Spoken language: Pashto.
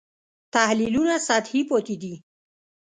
تحلیلونه سطحي پاتې دي.